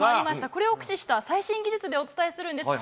これを駆使しました最新技術でお伝えするんです。